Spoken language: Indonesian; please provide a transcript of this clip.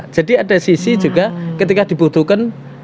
jadi ada sisi juga ketika dibutuhkan